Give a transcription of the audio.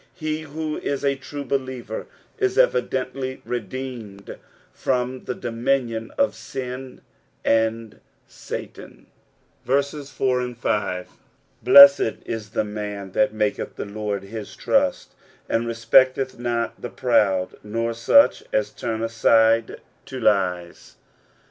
He who is a true believer is evidently redeemed from the dominion of sin and Batan. 4 Blessed ts that man that maketh the Lord his trust, and re specteth not the proud, nor such as turn aside to lies FSALU TBB POBTIETH.